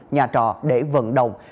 nhà trò để vận động